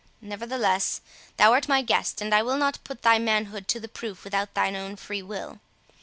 Nevertheless, thou art my guest, and I will not put thy manhood to the proof without thine own free will.